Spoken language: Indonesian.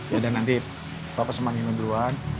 ya dan nanti papa semangin dulu